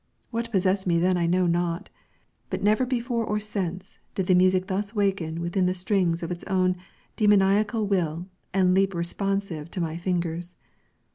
What possessed me then I know not: but never before or since did the music thus waken within the strings of its own demoniacal will and leap responsive to my fingers.